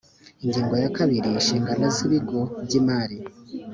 ingingo yakabiri ishingano z ibigo by imari